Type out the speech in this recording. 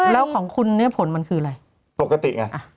แล้วของคุณเนี่ยผลมันคืออะไร